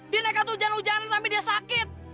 di naikkan tuh hujan hujanan sampe dia sakit